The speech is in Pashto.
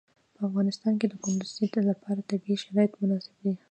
په افغانستان کې د کندز سیند لپاره طبیعي شرایط مناسب دي.